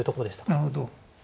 なるほど。